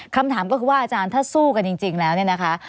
คำถามก็คือว่าอาจารย์ถ้าสู้กันจริงแล้วเนี่ยนะคะ